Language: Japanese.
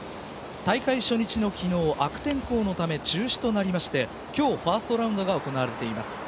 大会初日の昨日、悪天候のため中止となりまして今日ファーストラウンドが行われています。